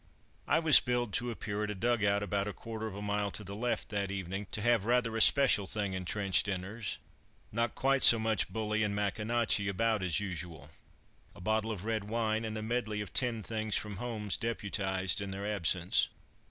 I was billed to appear at a dug out about a quarter of a mile to the left that evening to have rather a special thing in trench dinners not quite so much bully and Maconochie about as usual. A bottle of red wine and a medley of tinned things from home deputized in their absence.